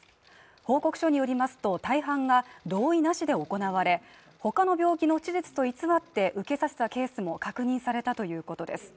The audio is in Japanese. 報告書によりますと、大半が同意なしで行われ、他の病気の手術と偽って受けさせたケースも確認されたということです。